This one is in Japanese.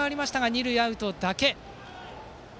二塁のアウトだけです。